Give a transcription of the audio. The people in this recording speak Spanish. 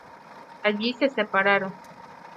Allí se separaron.